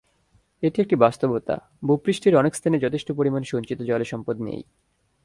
এটি একটি বাস্তবতা, ভূপৃষ্ঠের অনেক স্থানেই যথেষ্ট পরিমাণ সঞ্চিত জলসম্পদ নেই।